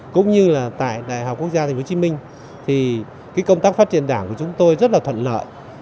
cũng như là tại đại học quốc gia tp hcm thì công tác phát triển đảng của chúng tôi rất là thuận lợi